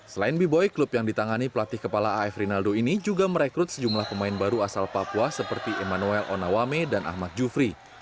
selain beboy klub yang ditangani pelatih kepala af rinaldo ini juga merekrut sejumlah pemain baru asal papua seperti emmanuel onawame dan ahmad jufri